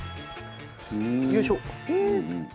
よいしょ！